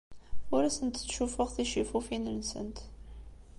Ur asent-ttcuffuɣ ticifufin-nsent.